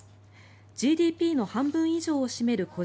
ＧＤＰの半分以上を占める個人